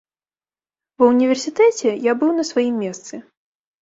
Ва ўніверсітэце я быў на сваім месцы.